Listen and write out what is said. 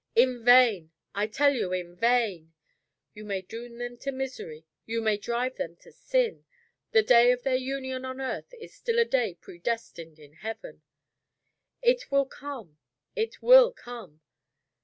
In vain! I tell you, in vain! You may doom them to misery, you may drive them to sin the day of their union on earth is still a day predestined in heaven. It will come! it will come!